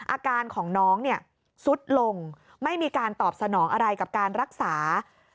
อาการของน้องเนี่ยซุดลงไม่มีการตอบสนองอะไรกับการรักษา